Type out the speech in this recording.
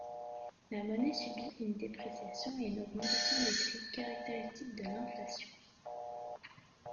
La monnaie subit une dépréciation et une augmentation des prix caractéristiques de l'inflation.